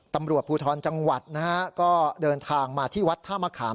ตำรวจภูทรจังหวัดนะฮะก็เดินทางมาที่วัดท่ามะขาม